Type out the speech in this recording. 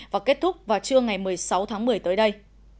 và kết thúc vào trưa ngày một mươi sáu tháng một mươi tới đây